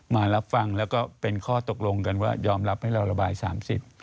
มารับฟังแล้วก็เป็นข้อตกลงกันว่ายอมรับให้เราระบายสามสิบ